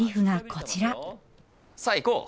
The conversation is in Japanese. さあ行こう！